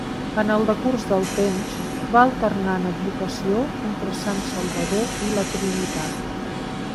En el decurs del temps va alternant advocació entre Sant Salvador i la Trinitat.